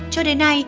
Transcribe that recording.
cho đến nay